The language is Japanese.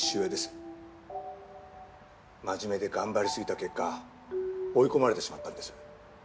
真面目で頑張りすぎた結果追い込まれてしまったんです。